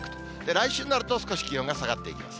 来週になると少し気温が下がっていきます。